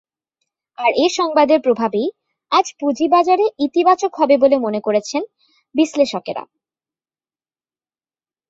আর এ সংবাদের প্রভাবেই আজ পুঁজিবাজারে ইতিবাচক হবে বলে মনে করছেন বিশ্লেষকেরা।